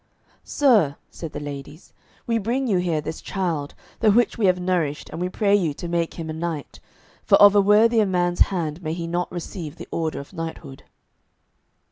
"Sir," said the ladies, "we bring you here this child, the which we have nourished, and we pray you to make him a knight; for of a worthier man's hand may he not receive the order of knighthood."